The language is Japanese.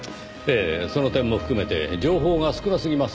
ええその点も含めて情報が少なすぎますねぇ。